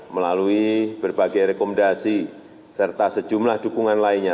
melalui berbagai rekomendasi serta sejumlah dukungan lainnya